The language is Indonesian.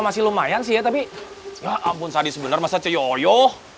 gak ampun sadis bener masa ceyoyo